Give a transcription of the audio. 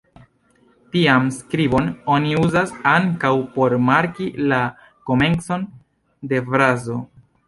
Tian skribon oni uzas ankaŭ por marki la komencon de frazo.